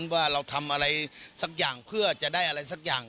ว่าเราทำอะไรสักอย่างเพื่อจะได้อะไรสักอย่าง